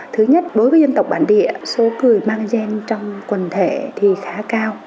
thứ nhất bối với dân tộc bản địa số cười mang gen trong quần thể thì khá cao